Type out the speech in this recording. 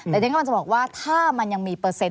แต่ดิฉันกำลังจะบอกว่าถ้ามันยังมีเปอร์เซ็น